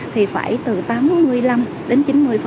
thì phải từ tám mươi năm đến chín mươi